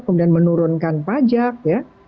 kemudian menurunkan pajak ya